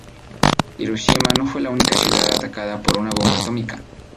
Hiroshima no fue la única ciudad atacada con una bomba atómica.